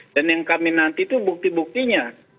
dan yang kami nanti itu bukti buktinya